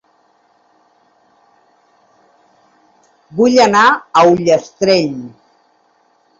Vull anar a Ullastrell